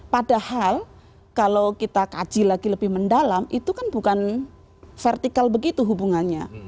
padahal kalau kita kaji lagi lebih mendalam itu kan bukan vertikal begitu hubungannya